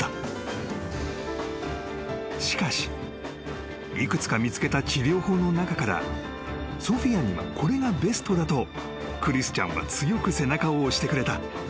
［しかし幾つか見つけた治療法の中からソフィアにはこれがベストだとクリスチャンは強く背中を押してくれた］